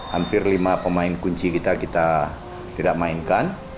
hampir lima pemain kunci kita kita tidak mainkan